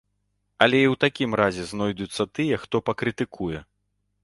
Але і ў такім разе знойдуцца тыя, хто пакрытыкуе.